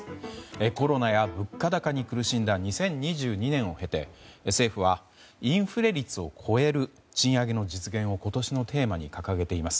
コロナや物価高に苦しんだ２０２２年を経て政府は、インフレ率を超える賃上げの実現を今年のテーマに掲げています。